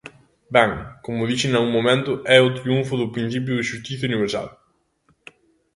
Ben, como dixen nalgún momento é o triunfo do principio de xustiza universal.